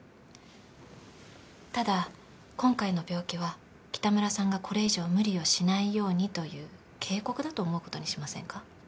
ただ今回の病気は北村さんがこれ以上無理をしないようにという警告だと思う事にしませんか？